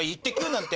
なんて。